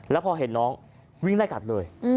แล้วพอเห็นน้องวิ่งไล่กัดเลย